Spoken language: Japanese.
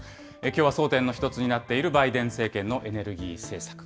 きょうは争点の１つになっている、バイデン政権のエネルギー政策。